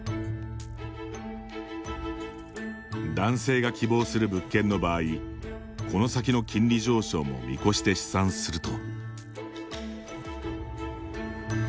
男性が希望する物件の場合この先の金利上昇も見越して試算すると。